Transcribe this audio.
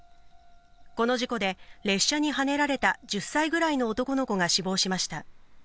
この事故で、列車にはねられた１０歳ぐらいの男の子が死亡しました。